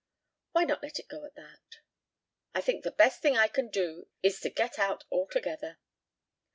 "Why not let it go at that?" "I think the best thing I can do is to get out altogether."